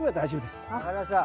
分かりました。